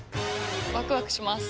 ワクワクします。